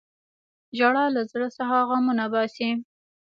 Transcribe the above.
• ژړا له زړه څخه غمونه باسي.